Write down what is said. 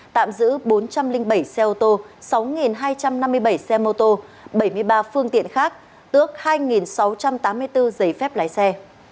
tạm giữ bốn trăm linh bảy xe ô tô sáu hai trăm năm mươi bảy xe mô tô bảy mươi ba phương tiện khác tước hai sáu trăm tám mươi bốn giấy phép lái xe